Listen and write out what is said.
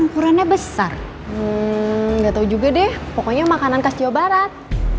ukurannya besar nggak tahu juga deh pokoknya makanan khas jawa barat